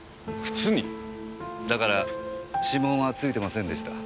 だから指紋はついてませんでした。